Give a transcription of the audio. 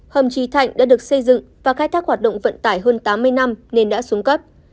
hầm trí thạnh đã được xây dựng và khai thác hoạt động vận tải hơn tám mươi năm nên đã xuống cấp